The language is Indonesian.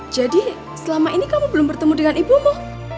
jadi selama ini kamu belum bertemu dengan ibumu